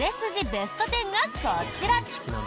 ベスト１０がこちら！